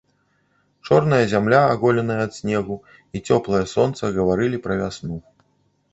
Чорная зямля, аголеная ад снегу, і цёплае сонца гаварылі пра вясну.